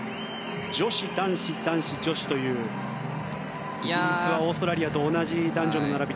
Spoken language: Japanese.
女子・男子・男子・女子というオーストラリアと同じ並び。